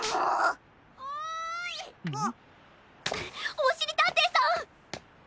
おしりたんていさん。